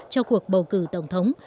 cho cuộc bầu cử tổng thống